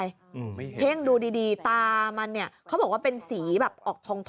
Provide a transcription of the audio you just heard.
ไม่เห็นเห้งดูดีตามันเนี่ยเขาบอกว่าเป็นสีแบบออกทอง